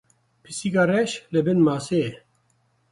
Pisîka reş li bin maseyê ye.